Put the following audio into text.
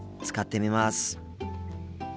使ってみます。